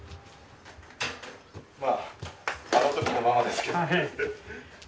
あの時のままですけど。